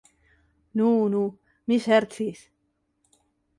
Nu, nu, mi ŝercis.